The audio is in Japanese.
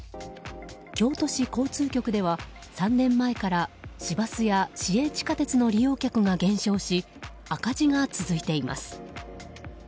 京都市交通局では３年前から市バスや市営地下鉄の利用客が減少し赤字が続いています。